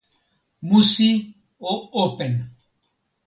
musi o open!